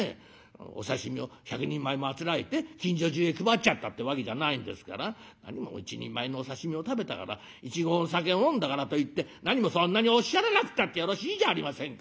お刺身を１００人前もあつらえて近所中へ配っちゃったってわけじゃないんですから何も一人前のお刺身を食べたから１合のお酒を飲んだからといって何もそんなにおっしゃらなくたってよろしいじゃありませんか」。